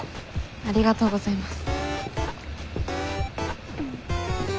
ありがとうございます。